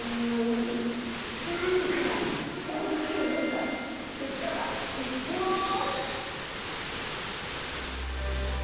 解き方いっきます！